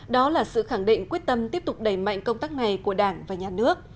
đó là sự khẳng định quyết tâm tiếp tục đẩy mạnh công tác này của đảng và nhà nước